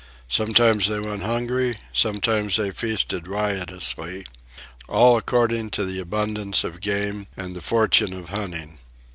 Sometimes they went hungry, sometimes they feasted riotously, all according to the abundance of game and the fortune of hunting.